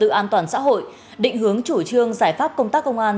công tác bảo vệ an ninh trật tự an toàn xã hội định hướng chủ trương giải pháp công tác công an